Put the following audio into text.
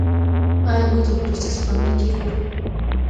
آیا موږ د پروسس فابریکې لرو؟